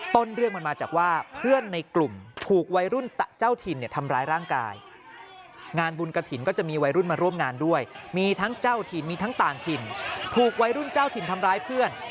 ต้นเรื่องมันมาจากว่าเพื่อนในกลุ่มถูกวัยรุ่นเจ้าถิ่นเนี่ยทำร้ายร่างกายงานบุญกระถิ่นก็จะมีวัยรุ่นมาร่วมงานด้วยมีทั้งเจ้าถิ่นมีทั้งต่างถิ่นถูกวัยรุ่นเจ้าถิ่นทำร้ายเพื่อน